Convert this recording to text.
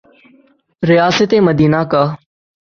ریاست مدینہ کا۔